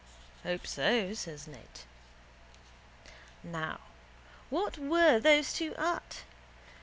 —Hope so, says Ned. Now what were those two at?